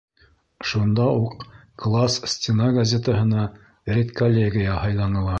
Шунда уҡ класс стена газетаһына редколлегия һайланылар.